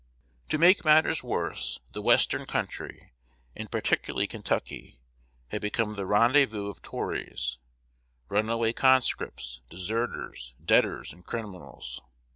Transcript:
To make matters worse, "the western country," and particularly Kentucky, had become the rendezvous of Tories, runaway conscripts, deserters, debtors, and criminals.